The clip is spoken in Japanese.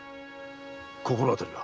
心当たりは？